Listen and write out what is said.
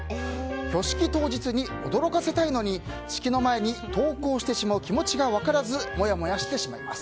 挙式当日に驚かせたいのに式の前に投稿してしまう気持ちが分からずモヤモヤしてしまいます。